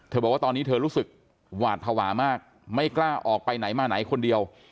บอกว่าตอนนี้เธอรู้สึกหวาดภาวะมากไม่กล้าออกไปไหนมาไหนคนเดียว